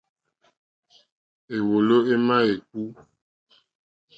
Éwòló émá ékú.